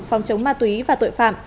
phòng chống ma túy và tội phạm